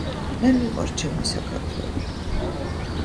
მე მიყვარს ჩემი საქართველო.